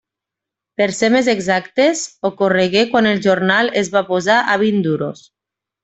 Per ser més exactes, ocorregué quan el jornal es va posar a vint duros.